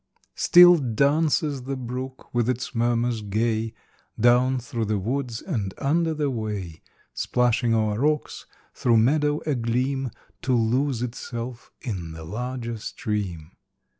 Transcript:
Still dances the brook with its murmurs gay, Down through the woods and under the way, Splashing o'er rocks,—through meadow agleam, To lose itself in the larger stream.